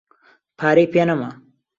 پارەی پێ نەما.